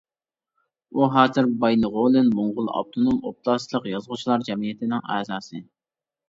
ئۇ ھازىر بايىنغولىن موڭغۇل ئاپتونوم ئوبلاستلىق يازغۇچىلار جەمئىيىتىنىڭ ئەزاسى.